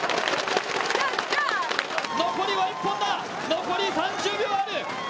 残りは１本だ、残り３０秒ある。